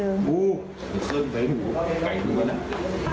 ล่ะใส่ไหนหูไก่หนูก็นะ